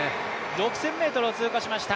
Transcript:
６０００ｍを通過しました